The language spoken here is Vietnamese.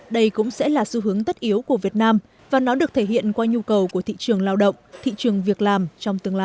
đây cũng sẽ là xu hướng tất yếu của việt nam và nó được thể hiện qua nhu cầu của thị trường lao động thị trường việc làm trong tương lai